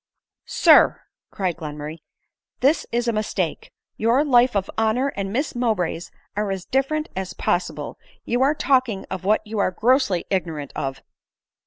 "Sir," cried Glenmurray, "this is a mistake; your life of honor and Miss Mowbray's are as different as pos sible ; you are talking of what you are grossly ignorant of."